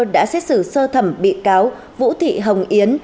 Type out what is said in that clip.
đã xét xử sơ thẩm bị cáo vũ thị hồng yến